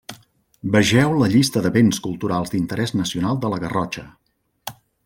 Vegeu la llista de béns culturals d'interès nacional de la Garrotxa.